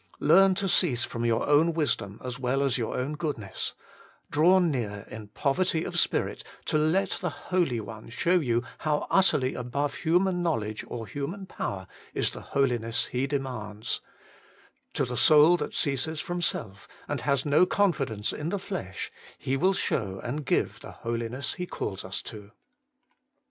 Learn to cease from your own wisdom as well as your own goodness ; draw near in poverty of spirit to let the Holy One show you how utterly above human knowledge or human power is the holiness He demands ; to the soul that ceases from self, and has no confidence in the flesh, He will show and give the holiness He calls us to.